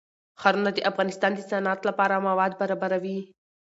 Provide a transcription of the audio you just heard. ښارونه د افغانستان د صنعت لپاره مواد برابروي.